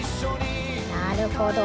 なるほど。